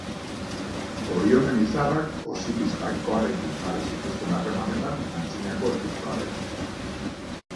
Orionen izarrak Osiris jainkoarekin jarri zituzten harremanetan antzinako egiptoarrek.